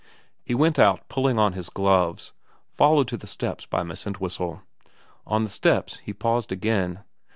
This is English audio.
He went out pulling on his gloves, followed to the steps by Miss Entwhistle. On the steps he paused again.